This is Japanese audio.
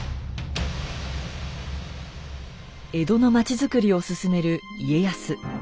江戸の町づくりを進める家康。